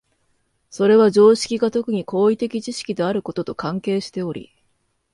それは常識が特に行為的知識であることと関係しており、